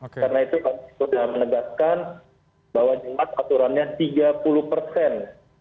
karena itu kami sudah menegaskan bahwa jelas aturannya tiga puluh persen